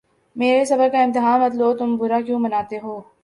میرے صبر کا امتحان مت لو تم برا کیوں مناتے ہو